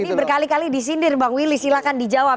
ini berkali kali disindir bang willy silahkan dijawab